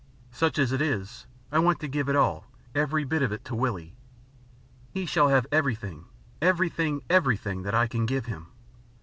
Such as it is, I want to give it all, every bit of it, to Willie. He shall have everything, everything, everything that I can give him."